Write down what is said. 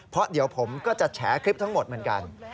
เพราะเดี๋ยวผมก็จะแฉคลิปทั้งหมดเหมือนกัน